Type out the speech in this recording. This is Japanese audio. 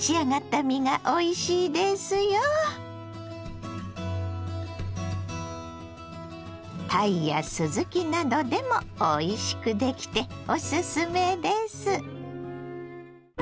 たいやすずきなどでもおいしくできておすすめです。